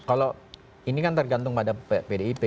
kalau ini kan tergantung pada pdip